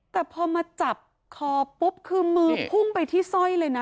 แต่พอมาจับคอปุ๊บคือมือพุ่งไปที่สร้อยเลยนะ